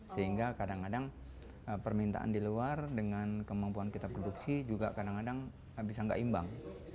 sehingga kadang kadang permintaan di luar dengan kemampuan kita produksi juga kadang kadang bisa nggak imbang